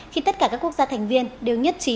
khi tất cả các quốc gia thành viên đều nhất trí